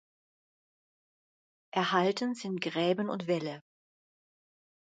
Erhalten sind Gräben und Wälle.